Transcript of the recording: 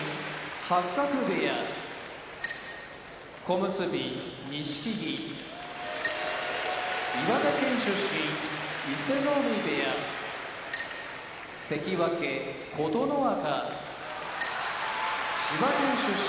八角部屋小結・錦木岩手県出身伊勢ノ海部屋関脇・琴ノ若千葉県出身